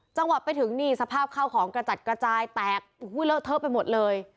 จังหวะไปถึงนี่สภาพข้าวของกระจัดกระจายแตกเลอะเทอะไปหมดเลย